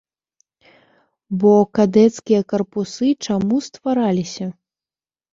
Бо кадэцкія карпусы чаму ствараліся?